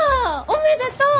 おめでとう！